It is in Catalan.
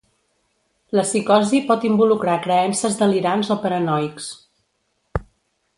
La psicosi pot involucrar creences delirants o paranoics.